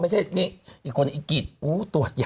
ไม่ใช่นี่แบบกิจอุ๊ยตรวจอย่า